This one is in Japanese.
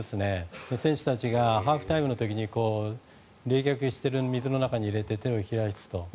その選手たちがハーフタイムの時に冷却している水の中に入れて手を冷やすと。